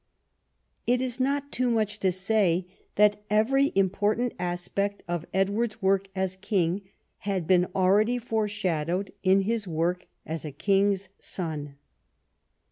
It is not too much to say that every important aspect of Edward's work as king had been already foreshadowed in his work as a king's son.